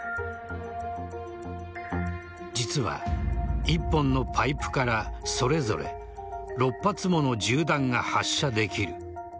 実は１本のパイプからそれぞれ６発もの銃弾が発射できる。